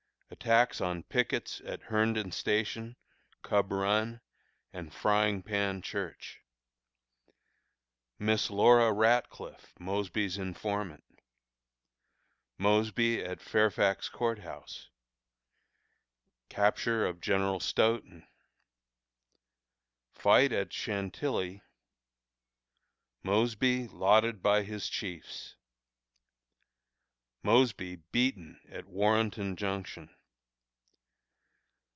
Attacks on Pickets at Herndon Station, Cub Run, and Frying Pan Church. Miss Laura Ratcliffe, Mosby's Informant. Mosby at Fairfax Court House. Capture of General Stoughton. Fight at Chantilly. Mosby lauded by His Chiefs. Mosby beaten at Warrenton Junction.